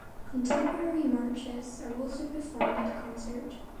Contemporary marches are also performed at the concert.